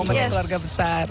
memoment keluarga besar